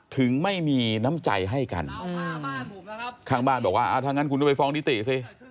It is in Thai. ถึงไม่มีน้ำใจให้กันข้างบ้านบอกว่าถ้างั้นคุณก็ไปฟ้องนิติสิ